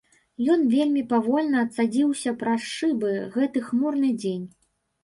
Ён вельмі павольна цадзіўся праз шыбы, гэты хмурны дзень.